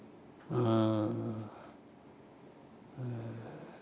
うん。